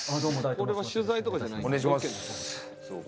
「これは取材とかじゃないんだ。